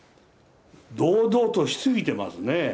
堂々とし過ぎてますね。